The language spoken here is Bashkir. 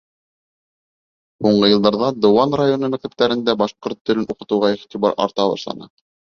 Һуңғы йылдарҙа Дыуан районы мәктәптәрендә башҡорт телен уҡытыуға иғтибар арта башланы.